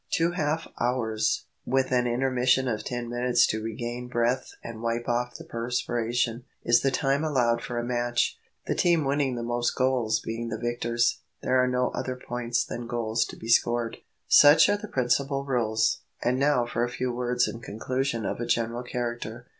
Two half hours, with an intermission of ten minutes to regain breath and wipe off the perspiration, is the time allowed for a match, the team winning the most goals being the victors. There are no other points than goals to be scored. Such are the principal rules; and now for a few words in conclusion of a general character.